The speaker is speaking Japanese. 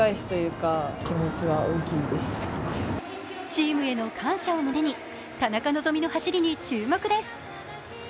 チームへの感謝を胸に、田中希実の走りに注目です。